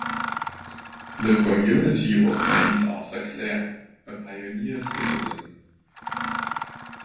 The community was named after Clare, a pioneer citizen.